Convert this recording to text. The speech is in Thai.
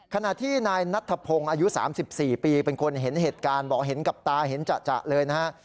ขณะที่นายนัทธพงศ์อายุ๓๔ปีเป็นคนเห็นเหตุการณ์บอกเห็นกับตาเห็นจะเลยนะฮะ